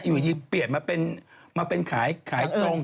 อยู่ดีเปลี่ยนมาเป็นขายตรง